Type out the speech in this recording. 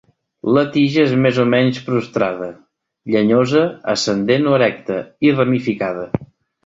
La tija és més o menys prostrada, llenyosa, ascendent o erecta i ramificada.